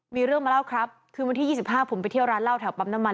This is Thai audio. มีเรื่องมาเล่าครับคืนวันที่๒๕ผมไปเที่ยวร้านเหล้าแถวปั๊มน้ำมัน